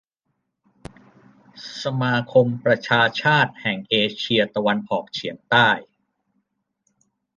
สมาคมประชาชาติแห่งเอเชียตะวันออกเฉียงใต้